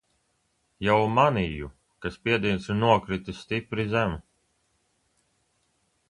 Jau mainīju, ak spiediens ir nokritis stipri zemu.